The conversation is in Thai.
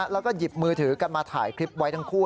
แล้วก็หยิบมือถือกันมาถ่ายคลิปไว้ทั้งคู่